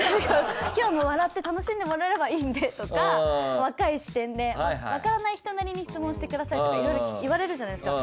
今日はもう笑って楽しんでもらえればいいんでとか若い視点で分からない人なりに質問して下さいとかいろいろ言われるじゃないですか。